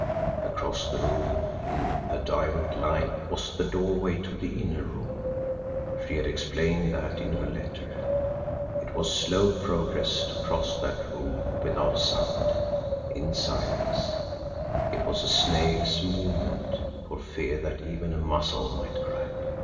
Across the room, in a direct line, was the doorway of the inner room she had explained that in her letter. It was slow progress to cross that room without sound, in silence it was a snail's movement for fear that even a muscle might crack.